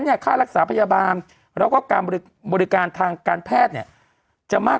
ค่ารักษาพยาบาลแล้วก็การบริการทางการแพทย์เนี่ยจะมาก